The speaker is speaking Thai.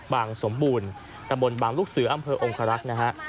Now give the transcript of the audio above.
สมบูรณ์ตะบนบางลูกเสืออำเภอองครักษ์นะฮะ